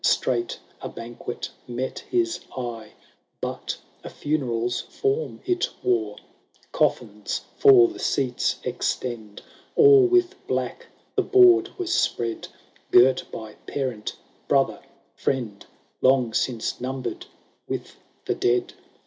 Straight a banquet met his eye, But a funeral's form it wore ! Coffins for the seats extend ; All with black the board was spread, Girt by parent, brother, friend, Long since numbered with the dead